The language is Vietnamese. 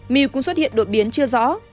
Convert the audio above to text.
mew cũng xuất hiện đột biến chưa rõ